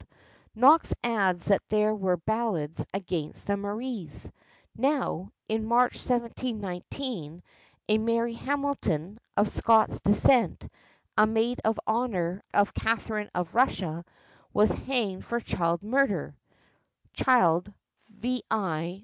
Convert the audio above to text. Knox adds that there were ballads against the Maries. Now, in March 1719, a Mary Hamilton, of Scots descent, a maid of honour of Catherine of Russia, was hanged for child murder (Child, vi.